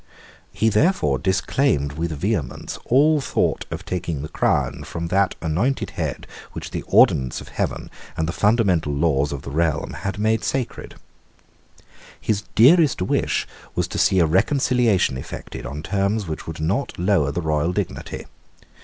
He therefore disclaimed with vehemence all thought of taking the crown from that anointed head which the ordinance of heaven and the fundamental laws of the realm had made sacred. His dearest wish was to see a reconciliation effected on terms which would not lower the royal dignity.